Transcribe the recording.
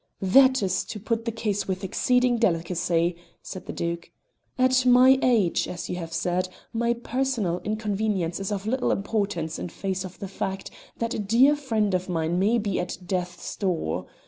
"That is to put the case with exceeding delicacy," said the Duke. "At my age, as you have said, my personal inconvenience is of little importance in face of the fact that a dear friend of mine may be at death's door.